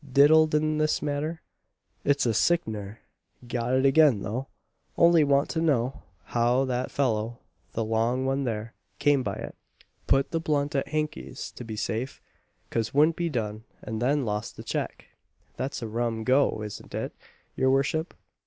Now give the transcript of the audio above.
Diddled in this manner! it's a sick'ner. Got it again though only want to know how that fellow, the long one there, came by it. Put the blunt at Hankey's, to be safe 'cause wouldn't be done, and then lost the cheque! that's a rum go isn't it, your worship?"